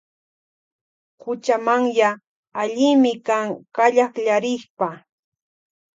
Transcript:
Kuchamanya allimi kan kallakllarikpa.